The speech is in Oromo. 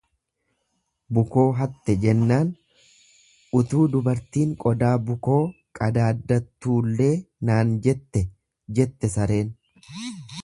Bukoo hatte jennaan utuu dubartiin qodaa bukoo qadaaddattullee naan jette, jette sareen.